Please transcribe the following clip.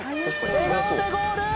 笑顔でゴール！